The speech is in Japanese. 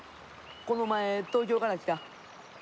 この前東京から来た。